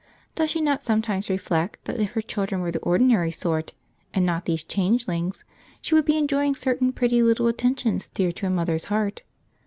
Does she not sometimes reflect that if her children were the ordinary sort, and not these changelings, she would be enjoying certain pretty little attentions dear to a mother's heart?